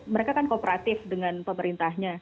mereka kan kooperatif dengan pemerintahnya